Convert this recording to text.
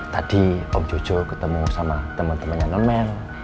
tadi om jojo ketemu sama temen temennya non mel